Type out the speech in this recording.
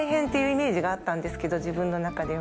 があったんですけど自分の中では。